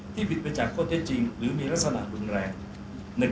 ผิดไปจากข้อเท็จจริงหรือมีลักษณะรุนแรง